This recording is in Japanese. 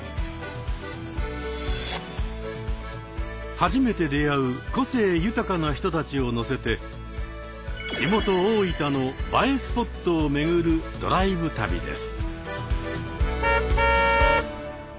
初めて出会う個性豊かな人たちを乗せて地元大分の映えスポットを巡るドライブ旅です。